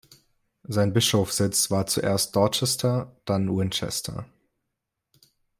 Sein Bischofssitz war zuerst Dorchester, dann Winchester.